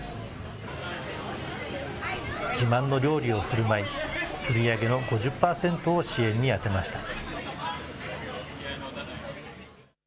自慢の料理をふるまい、売り上げの５０％を支援に充てました。